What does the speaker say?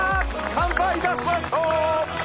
乾杯いたしましょう！